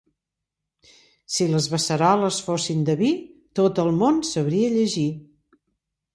Si les beceroles fossin de vi tot el món sabria llegir.